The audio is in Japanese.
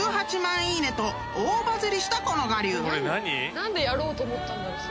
何でやろうと思ったんだろう？